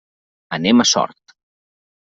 Anem a Sort.